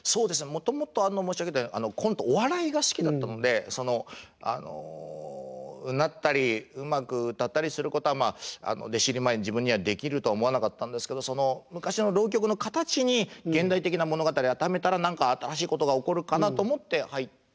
もともと申し上げたようにコントお笑いが好きだったのでうなったりうまく歌ったりすることは弟子入り前に自分にはできると思わなかったんですけど昔の浪曲の形に現代的な物語を当てはめたら何か新しいことが起こるかなと思って入って。